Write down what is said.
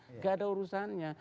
enggak ada urusannya